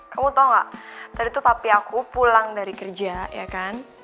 kamu tau gak tadi tuh papi aku pulang dari kerja ya kan